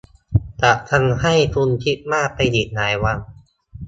จะทำให้คุณคิดมากไปอีกหลายวัน